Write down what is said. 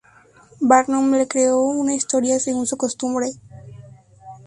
Barnum le creó una historia, según su costumbre.